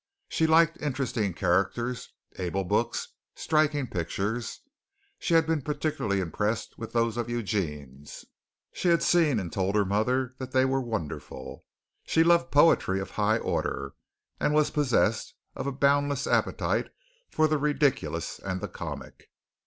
She liked interesting characters, able books, striking pictures. She had been particularly impressed with those of Eugene's; she had seen and had told her mother that they were wonderful. She loved poetry of high order, and was possessed of a boundless appetite for the ridiculous and the comic.